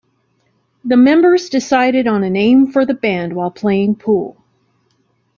The members decided on a name for the band while playing pool.